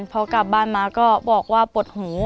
พอกลับบ้านมาก็บอกว่าปวดหู